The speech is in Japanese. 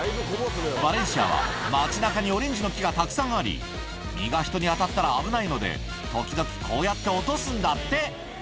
バレンシアは街なかにオレンジの木がたくさんあり、実が人に当たったら危ないので、時々、こうやって落とすんだって。